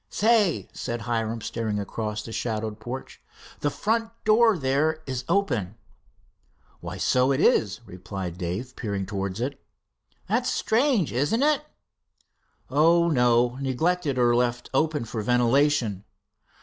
"Say," said Hiram, staring across the shadowed porch, "the front door there is open." "Why, so it is," replied Dave, peering towards it. "That's strange, isn't it?" "Oh, no neglected, or left open for ventilation."